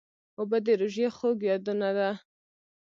اوبه د روژې خوږ یادونه ده.